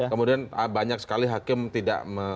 kemudian banyak sekali hakim tidak